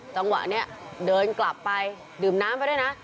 จังหวะนี้เดินกลับไปดื่มน้ำไปด้วยนะ